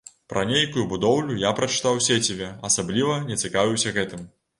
Пра нейкую будоўлю я прачытаў у сеціве, асабліва не цікавіўся гэтым.